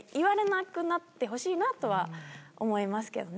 なとは思いますけどね。